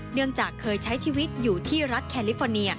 เนื่องจากเคยใช้ชีวิตอยู่ที่รัฐแคลิฟอร์เนีย